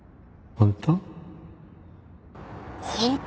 本当？